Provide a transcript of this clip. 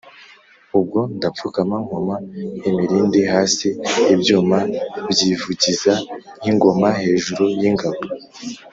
ubwo ndapfukama nkoma imilindi hasi ibyuma byivugiza nk’ingoma hejuru y’ingabo,